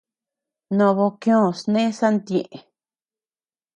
No bokioo sné santieʼe.